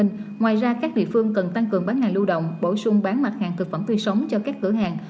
ngoài ra các địa phương cần tăng cường bán hàng lưu động bổ sung bán mặt hàng thực phẩm tươi sống cho các cửa hàng